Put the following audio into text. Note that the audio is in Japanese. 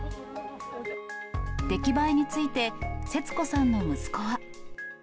出来栄えについて、節子さんの息子は。